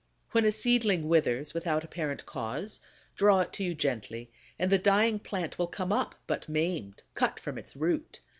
When a seedling withers without apparent cause, draw it to you gently; and the dying plant will come up, but maimed, cut from its root.